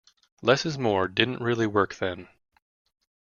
'Less is more' didn't really work then.